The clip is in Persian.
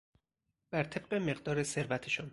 بر طبق مقدار ثروتشان